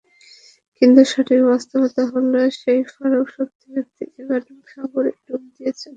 কিন্তু কঠিন বাস্তবতা হলো, সেই ফারুক সত্যি সত্যি এবার সাগরে ডুব দিয়েছেন।